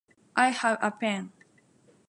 I have a pen.